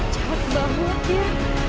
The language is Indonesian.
cari banget ya